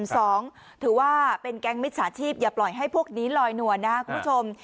ถือว่าเป็นแก๊งมิจฉาชีพอย่าปล่อยให้พวกนี้ลอยนวลนะครับคุณผู้ชม